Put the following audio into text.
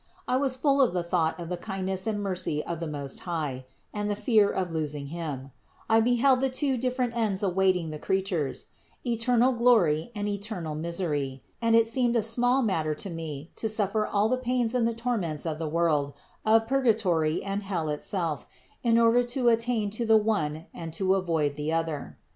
I was full of the thought of the kindness and mercy of the Most High ; and the fear of losing Him : I beheld the two different ends awaiting the creatures: eternal glory and eternal misery; and it seemed a small matter to me to suffer all the pains and the INTRODUCTION 11 torments of the world, of purgatory and hell itself, in order to attain to the one and to avoid the other.